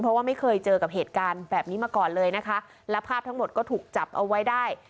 เพราะว่าไม่เคยเจอกับเหตุการณ์แบบนี้มาก่อนเลยนะคะแล้วภาพทั้งหมดก็ถูกจับเอาไว้ได้